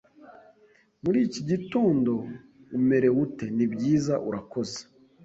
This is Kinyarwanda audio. "Muri iki gitondo umerewe ute?" "Nibyiza, urakoze."